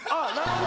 なるほど。